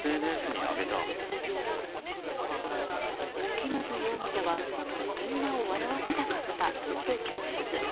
嶋津容疑者はみんなを笑わせたかったと供述。